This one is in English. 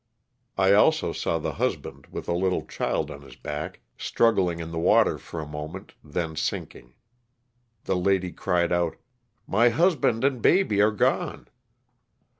I also saw the husband, with a little child on his back, struggling in the water for a moment, then sinking. The lady cried out, " My husband and baby are gone!